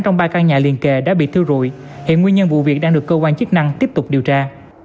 trong ba căn nhà liền kề đã bị thiêu rụi hiện nguyên nhân vụ việc đang được cơ quan chức năng tiếp tục điều tra